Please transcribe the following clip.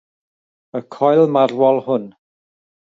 Y coil marwol hwn.